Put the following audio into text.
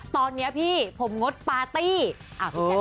ตอนเนี้ยพี่ผมงดปาร์ตี้อ๊ะ